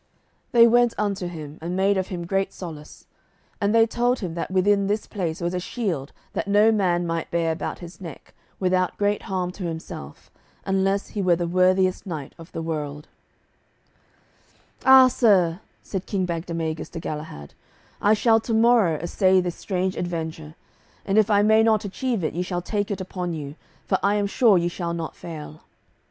They went unto him and made of him great solace; and they told him that within this place was a shield that no man might bear about his neck without great harm to himself, unless he were the worthiest knight of the world. [Illustration: Sir Galahad] "Ah, sir," said King Bagdemagus to Galahad, "I shall to morrow assay this strange adventure, and if I may not achieve it ye shall take it upon you, for I am sure ye shall not fail."